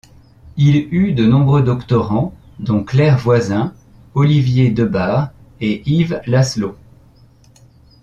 Il eut de nombreux doctorants, dont Claire Voisin, Olivier Debarre et Yves Laszlo.